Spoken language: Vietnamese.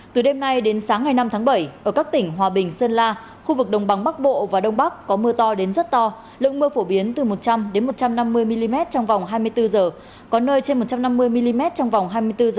từ đêm nay đến sáng ngày năm tháng bảy ở các tỉnh hòa bình sơn la khu vực đồng bằng bắc bộ và đông bắc có mưa to đến rất to lượng mưa phổ biến từ một trăm linh một trăm năm mươi mm trong vòng hai mươi bốn h có nơi trên một trăm năm mươi mm trong vòng hai mươi bốn h